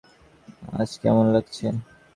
আজ কেমন লাগছে?